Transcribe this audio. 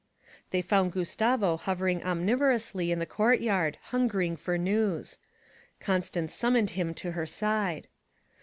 They found Gustavo hovering omnivorously in the courtyard, hungering for news; Constance summoned him to her side.